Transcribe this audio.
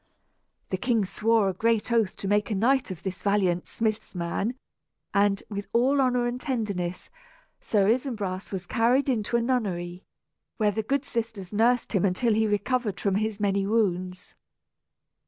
The king swore a great oath to make a knight of this valiant "smith's man"; and, with all honor and tenderness, Sir Isumbras was carried into a nunnery, where the good sisters nursed him until he recovered from his many wounds.